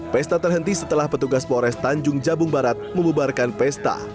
pesta terhenti setelah petugas polres tanjung jabung barat membubarkan pesta